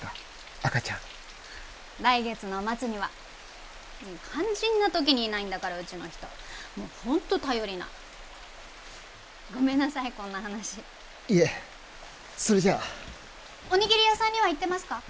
赤ちゃん来月の末には肝心な時にいないんだからうちの人もうホント頼りないごめんなさいこんな話いえそれじゃおにぎり屋さんには行ってますか？